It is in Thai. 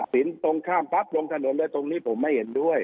ตัดสินตรงข้ามร่องถนนทางนี้ผมไม่เห็นด้วย